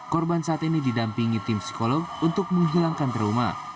korban saat ini didampingi tim psikolog untuk menghilangkan trauma